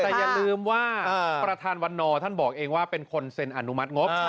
แต่อย่าลืมว่าประธานวันนอร์ท่านบอกเองว่าเป็นคนเซ็นอนุมัติงบ